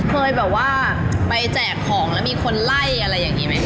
เคยแบบว่าไปแจกของแล้วมีคนไล่อะไรอย่างนี้ไหม